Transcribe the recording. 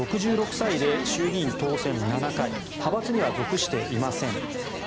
６６歳で、衆議院当選７回派閥には属していません。